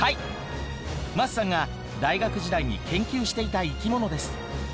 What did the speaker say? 桝さんが大学時代に研究していた生き物です。